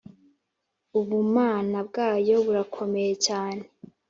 Ubumana bwayo burakomeye cyane